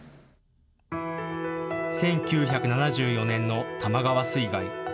１９７４年の多摩川水害。